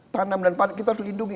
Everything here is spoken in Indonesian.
tanam dan pan kita harus lindungi